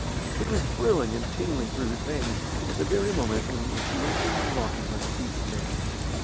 It was thrilling and tingling through his veins at the very moment when he was lurching and rocking like a beaten man.